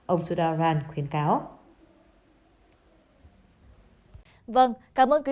ông sudararan khuyến cáo